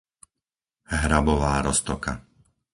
Hrabová Roztoka